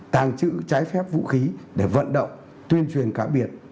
tàng trữ trái phép vũ khí để vận động tuyên truyền cá biệt